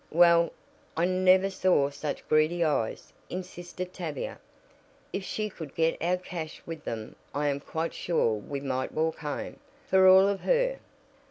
"Well, I never saw such greedy eyes," insisted Tavia. "If she could get our cash with them I am quite sure we might walk home, for all of her.